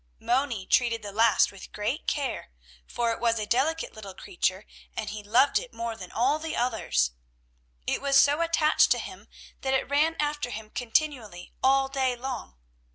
Moni treated the last with great care, for it was a delicate little creature and he loved it more than all the others. It was so attached to him that it ran after him continually all day long.